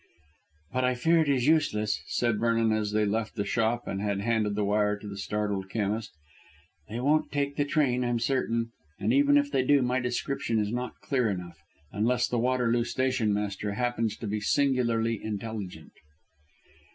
"But I fear it is useless," said Vernon as they left the shop and had handed the wire to the startled chemist. "They won't take the train, I'm certain, and even if they do my description is not clear enough, unless the Waterloo stationmaster happens to be singularly intelligent."